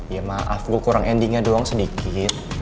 ya maaf gue kurang endingnya doang sedikit